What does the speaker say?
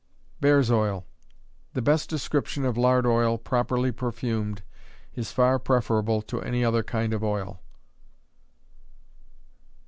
Bears' Oil. The best description of lard oil, properly perfumed, is far preferable to any other kind of oil.